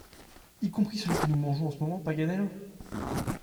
Y compris celui que nous mangeons en ce moment, Paganel ?